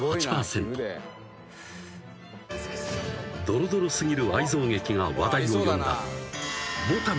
［どろどろ過ぎる愛憎劇が話題を呼んだ］